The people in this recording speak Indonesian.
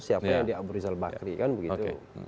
siapa yang di abu rizal bakri kan begitu